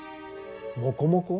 モコモコ？